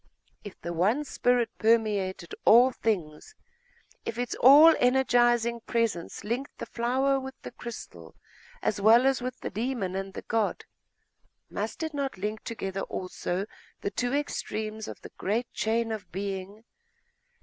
If the one spirit permeated all things, if its all energising presence linked the flower with the crystal as well as with the demon and the god, must it not link together also the two extremes of the great chain of being?